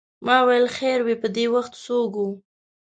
ما ویل خیر وې په دې وخت څوک و.